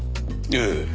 ええ。